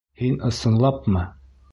Һин ысынлапмы?